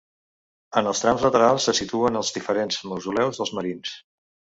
En els trams laterals se situen els diferents mausoleus dels marins.